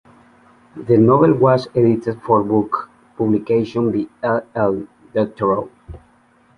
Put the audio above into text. The novel was edited for book publication by E. L. Doctorow.